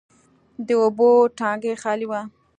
د اوبو ټانکي خالي و.